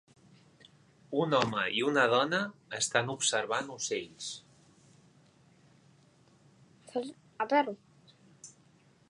Un home i una dona estan observant ocells.